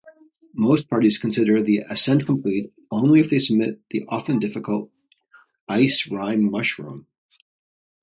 Most parties consider the ascent complete only if they summit the often-difficult ice-rime mushroom.